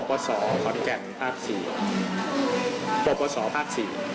ประสอบภาค๔